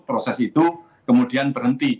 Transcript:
proses itu kemudian berhenti